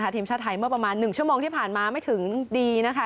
ทีมชาติไทยเมื่อประมาณ๑ชั่วโมงที่ผ่านมาไม่ถึงดีนะคะ